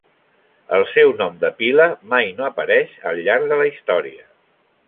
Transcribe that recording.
El seu nom de pila mai no apareix al llarg de la història.